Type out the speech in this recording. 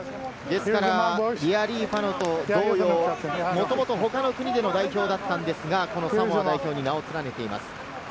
リアリーファノと同様、もともと他の国での代表だったんですが、サモア代表に名を連ねています。